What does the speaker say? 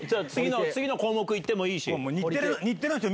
次の項目行ってもいいし。